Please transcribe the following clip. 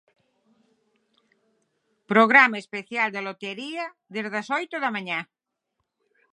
Programa especial da lotaría dende as oito da mañá.